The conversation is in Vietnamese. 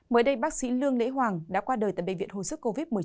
mới đây bác sĩ lương lễ hoàng đã qua đời tại bệnh viện hồ sức covid một mươi chín